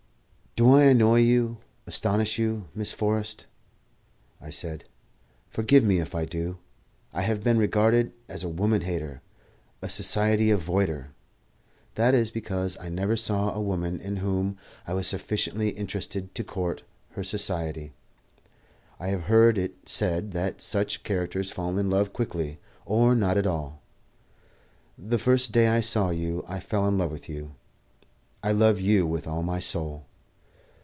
"Do I annoy you, astonish you, Miss Forrest?" I said. "Forgive me if I do. I have been regarded as a woman hater, a society avoider. That is because I never saw a woman in whom I was sufficiently interested to court her society. I have heard it said that such characters fall in love quickly, or not at all. The first day I saw you I fell in love with you; I love you now with all my soul."